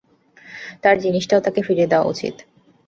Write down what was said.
তার জিনিসটাও তাকে ফিরিয়ে দেয়া উচিত।